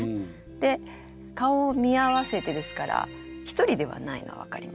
で顔を見合わせてですから１人ではないのは分かりますよね。